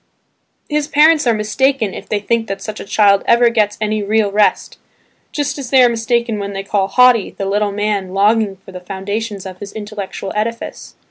His parents are mistaken if they think that such a child ever gets any real rest, just as they are mistaken when they call "naughty" the little man longing for the foundations of his intellectual edifice.